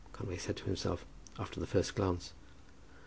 Conway said to himself, after the first glance.